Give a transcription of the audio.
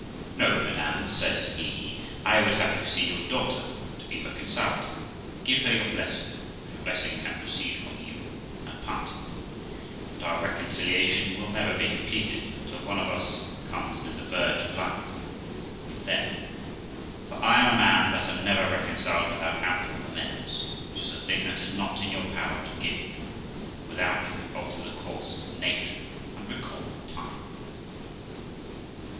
'No, madam', says he, 'I would have you see your daughter, to be reconciled to her, and give her your blessing (if a blessing can proceed from you) at parting; but our reconciliation will never be completed till one of us comes near the verge of life, if then; for I am a man that am never reconciled without ample amends, which is a thing that is not in your power to give, without you can alter the course of nature and recall time.'